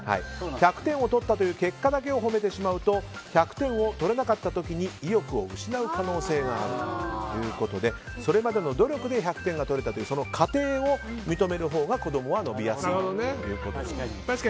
１００点を取ったという結果だけを褒めてしまうと１００点を取れなかった時に意欲を失う可能性があるということでそれまでの努力で１００点が取れたという過程を認めるほうが子供は伸びやすいということです。